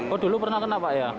oh dulu pernah kena pak ya